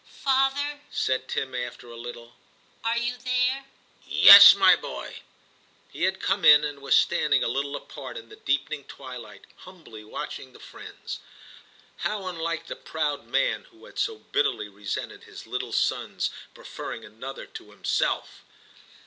* Father/ said Tim, after a little, ' are you there ?' *Yes, my boy.' He had come in, and was standing a little apart in the deepening twilight, humbly watching the friends. How unlike the proud man who had so bitterly resented his little son's preferring another to himself